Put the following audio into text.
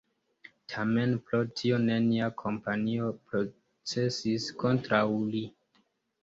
Tamen pro tio nenia kompanio procesis kontraŭ li.